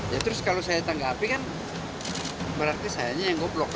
ya terus kalau saya tanggapi kan berarti sayanya yang goblok